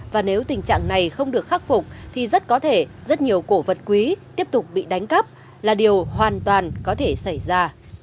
và nếu tình trạng này không được khắc phục thì rất có thể rất nhiều cổ vật quý tiếp tục bị đánh cắp là điều hoàn toàn có thể xảy ra